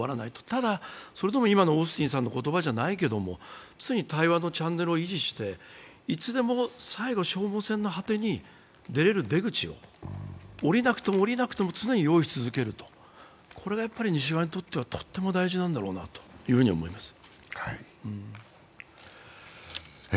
ただ、それでも今のオースティンさんの言葉じゃないけれども、常に対話のチャンネルを維持していつでも最後、消耗戦の果てに出られる出口を、降りなくても常に用意し続ける、これが西側にとってはとっても大事なんだろうと思います。